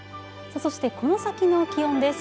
そして、この先の気温です。